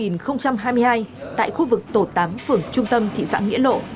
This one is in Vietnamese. năm hai nghìn hai mươi hai tại khu vực tổ tám phường trung tâm thị xã nghĩa lộ